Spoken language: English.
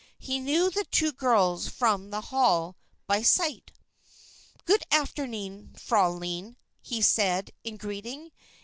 He knew the two girls from the Hall by sight. "Goot afternoon, fraulein," he said, in greeting.